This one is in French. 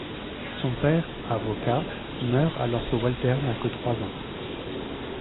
Son père, avocat, meurt alors que Walter n'a que trois ans.